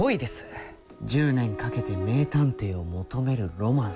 １０年かけて名探偵を求めるロマンス。